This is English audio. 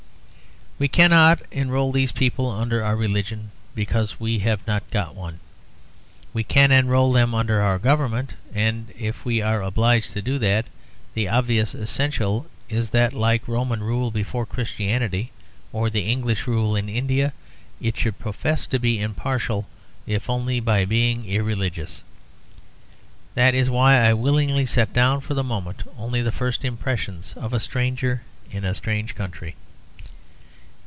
We cannot enrol these people under our religion, because we have not got one. We can enrol them under our government, and if we are obliged to do that, the obvious essential is that like Roman rule before Christianity, or the English rule in India it should profess to be impartial if only by being irreligious. That is why I willingly set down for the moment only the first impressions of a stranger in a strange country.